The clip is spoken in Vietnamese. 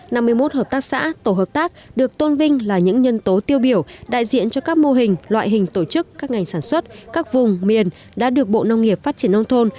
năm mươi một hợp tác xã tổ hợp tác được tôn vinh là những nhân tố tiêu biểu đại diện cho các mô hình loại hình tổ chức các ngành sản xuất các vùng miền đã được bộ nông nghiệp phát triển nông thôn